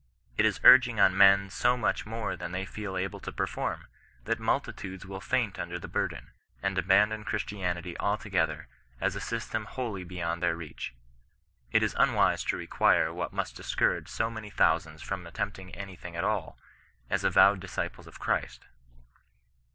It is urging on men so much more than they feel able to perform, that multitudes will faint imder tlie burden, and abandon Christianii^ altogether, as a system wholly beyond their reach. It is unwise to require what must discourage so many thousands from attempting any thing at all, as avowed disciples of Christ."